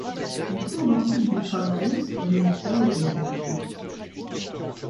Il trouve ensuite du travail au Ministère de l'agriculture.